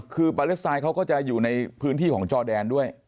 คือปาเลสไตน์เขาก็จะอยู่ในพื้นที่ของจอแดนด้วย